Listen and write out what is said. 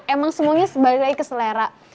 emang semuanya sebaliknya keselera